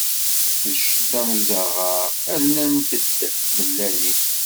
D ccetla n uẓaɣaṛ, rnant-d tmellalin.